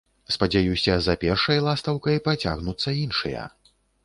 Спадзяюся, за першай ластаўкай пацягнуцца іншыя.